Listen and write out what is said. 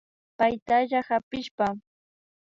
Paytalla kapishpa